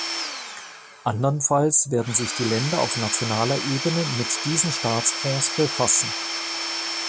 Anderenfalls werden sich die Länder auf nationaler Ebene mit diesen Staatsfonds befassen.